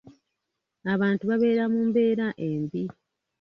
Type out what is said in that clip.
Abantu babeera mu mbeera embi.